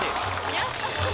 やった。